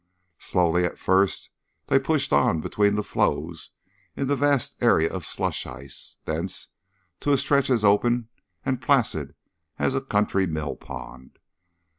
Slowly at first they pushed on between the floes into a vast area of slush ice, thence to a stretch as open and placid as a country mill pond.